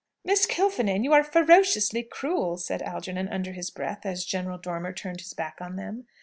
"Miss Kilfinane, you are ferociously cruel!" said Algernon under his breath as General Dormer turned his back on them.